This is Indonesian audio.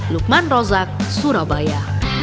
lukman rozak surabaya